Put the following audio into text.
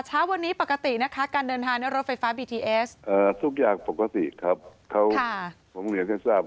สวัสดีครับคุณมิ้นครับ